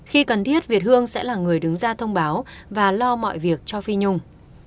khi cần thiết việt hương sẽ là người đứng ra thông báo và lo mọi việc cho phi nhung